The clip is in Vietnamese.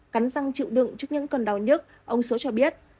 cắn răng chịu đựng trước những cơn đau nhức ông số cho biết